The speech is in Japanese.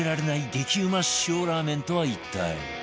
激うま塩ラーメンとは一体？